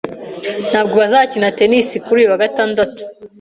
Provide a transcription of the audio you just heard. Ntabwo bazakina tennis kuri uyu wa gatandatu.